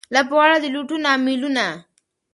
لا په غاړه د لوټونو امېلونه